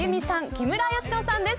木村佳乃さんです。